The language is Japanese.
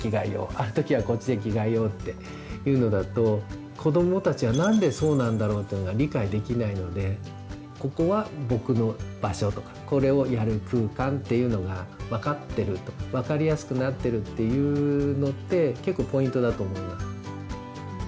「ある時はこっちで着替えよう」っていうのだと子どもたちは「なんでそうなんだろう？」っていうのが理解できないので「ここは僕の場所」とか「これをやる空間」っていうのが分かってると分かりやすくなってるっていうのって結構ポイントだと思います。